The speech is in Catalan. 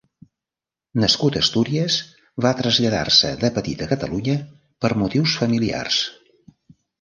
Nascut a Astúries, va traslladar-se de petit a Catalunya per motius familiars.